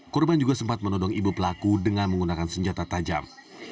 korban juga sempat menodong ibu pelaku dengan menggunakan senjata tajam